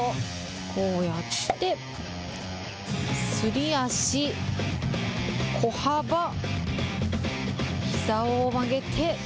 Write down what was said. こうやって、すり足、小幅、ひざを曲げて。